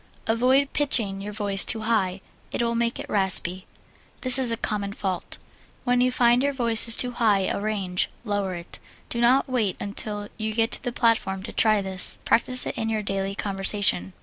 Avoid pitching your voice too high it will make it raspy. This is a common fault. When you find your voice in too high a range, lower it. Do not wait until you get to the platform to try this. Practise it in your daily conversation.